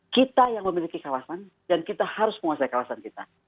kita yang memiliki kawasan dan kita harus menguasai kawasan kita